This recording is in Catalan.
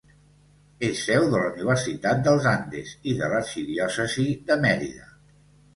És seu de la Universitat dels Andes i de l'Arxidiòcesi de Mérida.